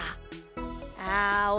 あお